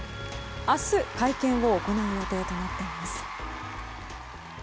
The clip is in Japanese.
明日、会見を行う予定となっています。